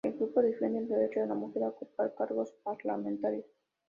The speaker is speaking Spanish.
El grupo defendía el derecho de la mujer a ocupar cargos parlamentarios.